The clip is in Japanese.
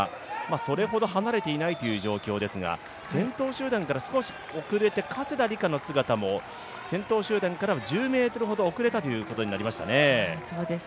それほど離れてない状況ですが先頭集団から少し遅れて加世田梨花の姿も先頭集団から１０ｍほど遅れたということになりましたね。